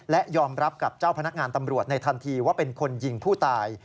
และยอมรับกับเจ้าพนักงานตำรวจในทันทีว่าเป็นคนยิงผู้ตาย